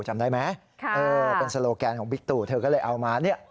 จำได้ไหมเป็นโซโลแกนของบิ๊กตู่เธอก็เลยเอามาเนี่ย